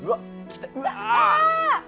うわ！